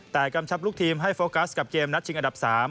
แต่กำชับลูกทีมให้โฟกัสกับเกมนัดชิงอันดับ๓